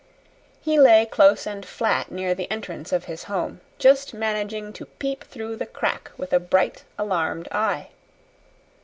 He lay close and flat near the entrance of his home, just managing to peep through the crack with a bright, alarmed eye.